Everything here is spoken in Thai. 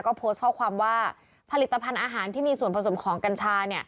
ก็โพสต์ข้อความว่าผลิตภัณฑ์อาหารที่มีส่วนผสมของกัญชา